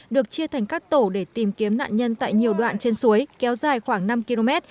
được chia thành các tổ để tìm kiếm nạn nhân tại nhiều đoạn trên suối kéo dài khoảng năm km